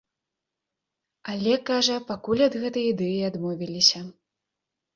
Але, кажа, пакуль ад гэтай ідэі адмовіліся.